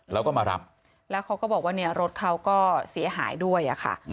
แล้วก็มารับแล้วเขาก็บอกว่ารถเขาก็เสียหายด้วย